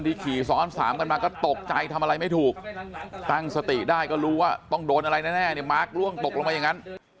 ขี่ซ้อนสามกันมาก็ตกใจทำอะไรไม่ถูกตั้งสติได้ก็รู้ว่าต้องโดนอะไรแน่เนี่ยมาร์คล่วงตกลงไปอย่างนั้น